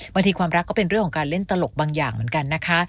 ความรักก็เป็นเรื่องของการเล่นตลกบางอย่างเหมือนกันนะคะ